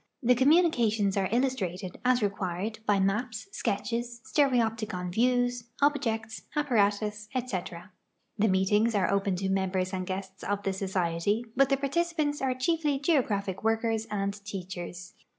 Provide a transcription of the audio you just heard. The communications are illustrated, as required, by maps, sketches, stereopticon vieAVS, objects, apparatus, etc. The meetings are o] )en to members and guests of the Societ}q but the partici]Aants are chiefly geographic Avorkers and teachers.